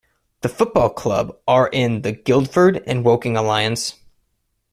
The football club are in the Guildford and Woking Alliance.